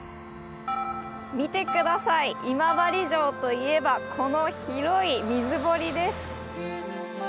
見て下さい今治城といえばこの広い水堀です。